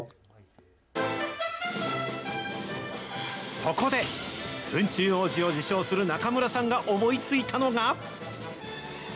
そこで、フン虫王子を自称する中村さんが思いついたのが。